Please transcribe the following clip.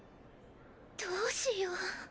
どうしよう。